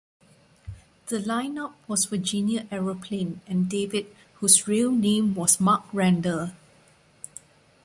The line-up was "Virginia Aeroplane" and "David", whose real name was Mark Randall.